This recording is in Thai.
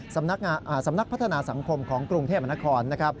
สำนักพัฒนาสังคมของกรุงเทพมนาคต